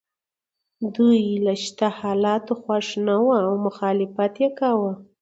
دوی له شته حالاتو خوښ نه وو او مخالفت یې کاوه.